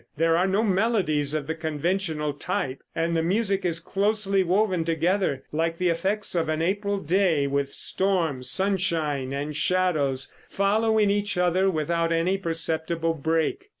There are no melodies of the conventional type, and the music is closely woven together, like the effects of an April day, with storms, sunshine and shadows following each other without any perceptible break.